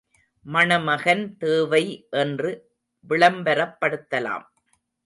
மணமகன் தேவை என்று விளம்பரப்படுத்தலாம்.